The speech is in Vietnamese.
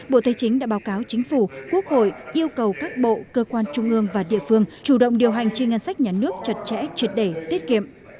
bộ thế chính đã báo cáo chính phủ quốc hội yêu cầu các bộ cơ quan trung ương và địa phương chủ động điều hành trên ngân sách nhà nước chật chẽ truyệt đẩy tiết kiệm